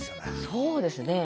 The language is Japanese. そうですね。